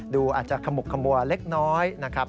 ดูอาจจะขมุกขมัวเล็กน้อยนะครับ